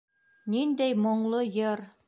Ниндәй моңло йыр!